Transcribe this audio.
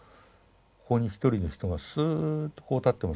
ここに一人の人がスーッとこう立ってますね。